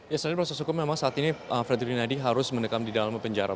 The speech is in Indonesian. ya selain proses hukum memang saat ini frederick yunadi harus menekam di dalam penjara